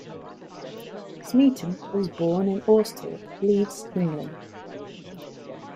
Smeaton was born in Austhorpe, Leeds, England.